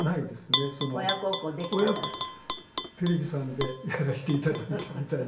テレビさんでやらせて頂いたみたいで。